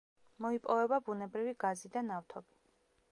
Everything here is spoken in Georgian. მოიპოვება ბუნებრივი გაზი და ნავთობი.